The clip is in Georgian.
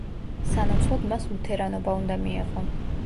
სანაცვლოდ მას ლუთერანობა უნდა მიეღო.